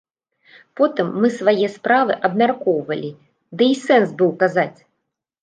Потым мы свае справы абмяркоўвалі, ды й сэнс быў казаць?